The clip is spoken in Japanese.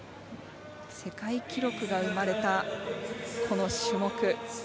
世界記録が生まれたこの種目。